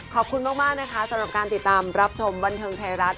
ขอบคุณมากนะคะสำหรับการติดตามรับชมบันเทิงไทยรัฐ